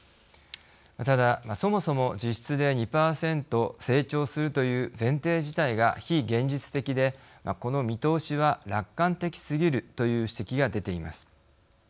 ただそもそも実質で２％成長するという前提自体が非現実的でこの見通しは楽観的すぎるという指摘が出ています。